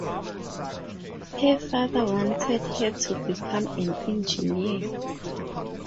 Her father wanted her to become an engineer.